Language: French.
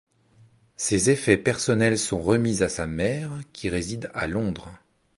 Ses effets personnels sont remis à sa mère, qui réside à Londres.